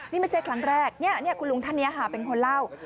นี่ไม่ใช่ครั้งแรกนี่คุณลุงท่านนี้ค่ะเป็นคนเล่า